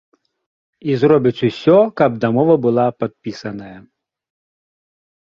І зробіць усё, каб дамова была падпісаная.